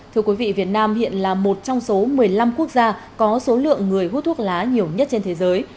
thưa quý vị việt nam hiện là một trong số một mươi năm quốc gia có số lượng người hút thuốc lá nhiều nhất trên thế giới